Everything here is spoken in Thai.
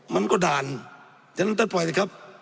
มันก็ด่านฉะนั้นท่านปล่อยสิครับ